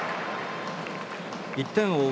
１点を追う